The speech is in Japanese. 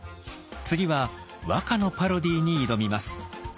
次は和歌のパロディーに挑みます。